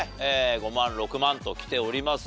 ５万６万ときておりますが。